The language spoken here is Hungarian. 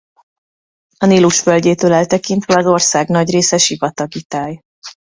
A Nílus völgyétől eltekintve az ország nagy része sivatagi táj.